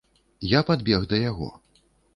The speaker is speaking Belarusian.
Я падбег да яго.